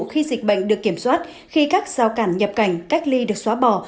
khi dịch bệnh được kiểm soát khi các giao cản nhập cảnh cách ly được xóa bỏ